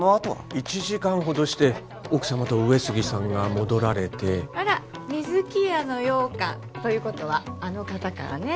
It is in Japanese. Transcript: １時間ほどして奥様と上杉さんが戻られてあら水木屋の羊羹ということはあの方からね